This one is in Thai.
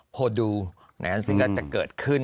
พอดูซึ่งนั้นจะเกิดขึ้น